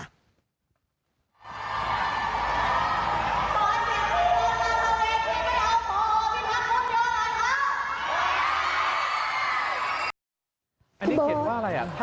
อันนี้เขียนว่าอะไรอ่ะ